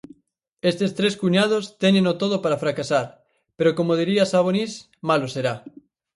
Estes tres cuñados téñeno todo para fracasar, pero como diría Sabonis, malo será.